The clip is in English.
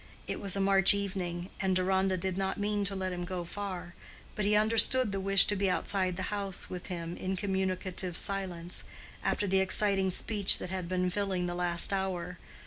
It was a March evening, and Deronda did not mean to let him go far, but he understood the wish to be outside the house with him in communicative silence, after the exciting speech that had been filling the last hour.